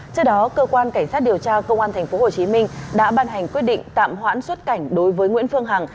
trước đó cơ quan cảnh sát điều tra công an tp hcm đã ban hành quyết định tạm hoãn xuất cảnh đối với nguyễn phương hằng